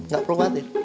gak perlu khawatir